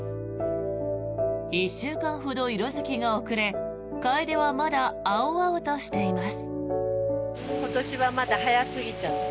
１週間ほど色付きが遅れカエデはまだ青々としています。